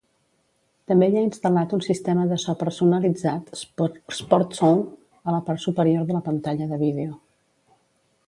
També hi ha instal·lat un sistema de so personalitzat Sportsound a la part superior de la pantalla de vídeo.